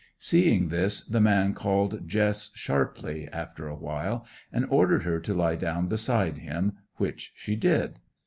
Seeing this, the man called Jess sharply, after a while, and ordered her to lie down beside him, which she did.